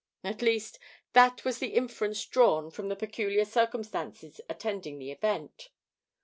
At least, that was the inference drawn from the peculiar circumstances attending the event.